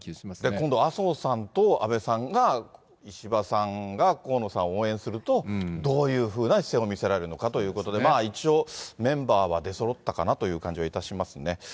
今度、麻生さんと安倍さんが石破さんが河野さんを応援すると、どういうふうな姿勢を見せられるのかということで、一応、メンバーは出そろったかなという感じはいたしますね。